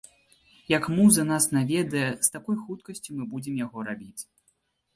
Як муза нас наведае, з такой хуткасцю мы будзем яго рабіць.